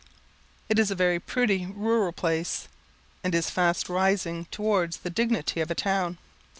It is a very pretty rural place, and is fast rising towards the dignity of a town.